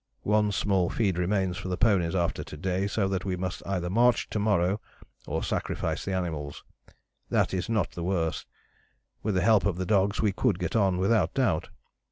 One small feed remains for the ponies after to day, so that we must either march to morrow or sacrifice the animals. That is not the worst; with the help of the dogs we could get on, without doubt.